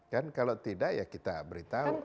kan kalau tidak ya kita beritahu